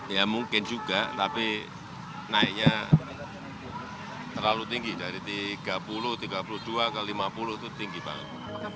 ya mungkin juga tapi naiknya terlalu tinggi dari tiga puluh tiga puluh dua ke lima puluh itu tinggi banget